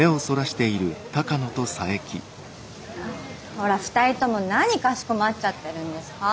ほら２人とも何かしこまっちゃってるんですか。